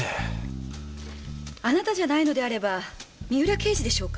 あなたじゃないのであれば三浦刑事でしょうか？